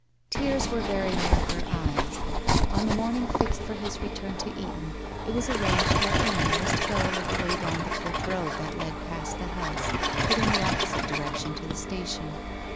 Tears were very near his eyes. On the morning fixed for his return to Eton, it was arranged that Amy was to go a little way down the cliff road that led past the house but in the opposite direction to the station.